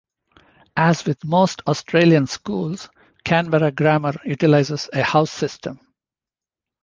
As with most Australian schools, Canberra Grammar utilises a house system.